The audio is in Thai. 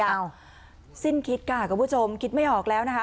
อ้าวสิ้นคิดกะกับผู้ชมคิดไม่ออกแล้วนะคะ